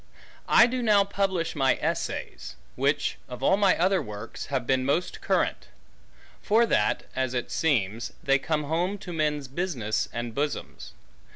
I doe now publish my Essayes; which, of all my other workes, have beene most Currant: For that, as it seemes, they come home, to Mens Businesse, and Bosomes.